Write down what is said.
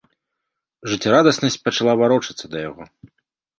Жыццярадаснасць пачала варочацца да яго.